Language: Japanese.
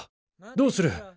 どうする？